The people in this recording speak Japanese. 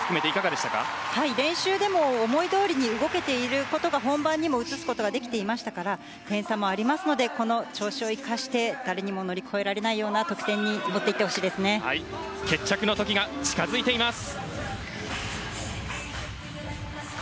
練習でも思いどおりに動けていることが本番にも移すことができていましたから点差もありますのでこの調子を生かして誰にも乗り越えられないような決着の時が近づいています。